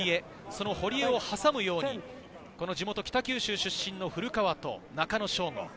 その堀江を挟むように地元・北九州出身の古川と中野将伍。